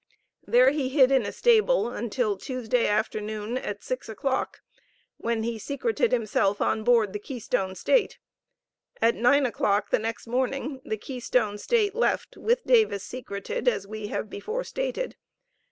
There he hid in a stable until Tuesday afternoon at six o'clock, when he secreted himself on board the Keystone State. At 9 o'clock the next morning the Keystone State left with Davis secreted, as we have before stated.